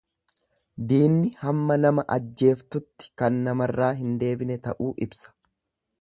Diinni hamma nama ajjeeftutti kan namarraa hin deebiine ta'uu ibsa.